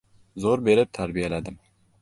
Zo‘r berib tarbiyaladim.